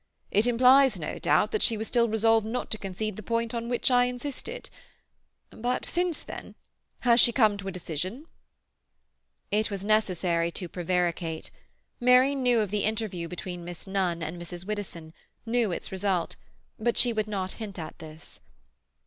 It implies, no doubt, that she was still resolved not to concede the point on which I insisted. But since then? Has she come to a decision?" It was necessary to prevaricate. Mary knew of the interview between Miss Nunn and Mrs. Widdowson, knew its result; but she would not hint at this.